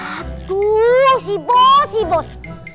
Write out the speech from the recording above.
aduh si bos si bos